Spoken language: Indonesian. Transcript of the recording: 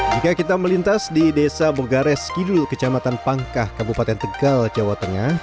jika kita melintas di desa bogares kidul kecamatan pangkah kabupaten tegal jawa tengah